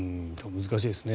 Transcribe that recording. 難しいですね。